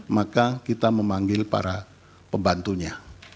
maka kita memanggil para pembantunya